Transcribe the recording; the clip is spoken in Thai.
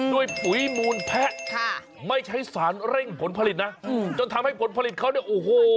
ปุ๋ยมูลแพะค่ะไม่ใช้สารเร่งผลผลิตนะจนทำให้ผลผลิตเขาเนี่ยโอ้โห